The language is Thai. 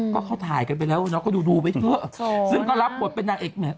ก็เขาถ่ายกันไปแล้วเนาะก็ดูดูไปเถอะซึ่งก็รับบทเป็นนางเอกเนี่ย